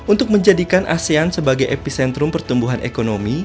untuk menjadikan asean sebagai epicentrum pertumbuhan ekonomi